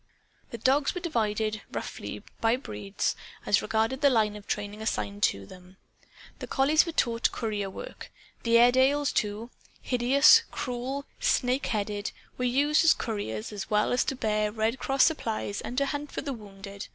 The dogs were divided, roughly, by breeds, as regarded the line of training assigned to them. The collies were taught courier work. The Airedales, too, hideous, cruel, snake headed, were used as couriers, as well as to bear Red Cross supplies and to hunt for the wounded.